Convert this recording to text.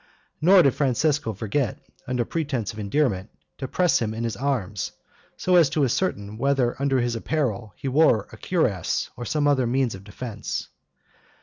Nor did Francesco forget, under pretense of endearment, to press him in his arms, so as to ascertain whether under his apparel he wore a cuirass or other means of defense.